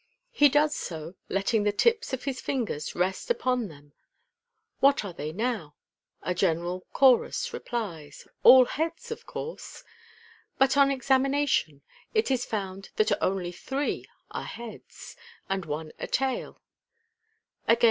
He does so, letting the tips of his fingers rest upon them. u What are they now ?" A general chorus replies, " All beads, of course !" But on examination it is found that only three are " heads," and one a ' tail."